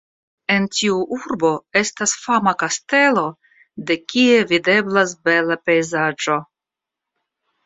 En tiu urbo estas fama kastelo de kie videblas bela pejzaĝo.